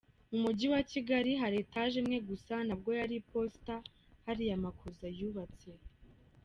Mu Mujyi wa Kigali hari etage imwe gusa nabwo yari iposita hariya Makuza yubatse.